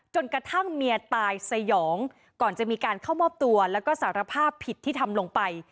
จนกระทั่งเมียตายสยองก่อนจะมีการเข้ามอบตัวแล้วก็สารภาพผิดที่ทำลงไป